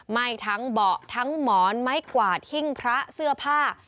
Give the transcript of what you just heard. ไหม้ทั้งเบาะทั้งหมอนไม้กวาดหิ้งพระเสื้อผ้า